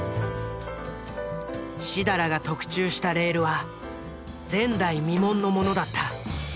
設楽が特注したレールは前代未聞のものだった。